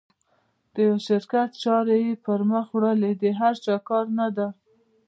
د یوه شرکت چارې پر مخ وړل د هر چا کار نه ده.